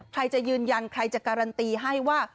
ใครจะยืนยันใครจะการันตีให้ว่า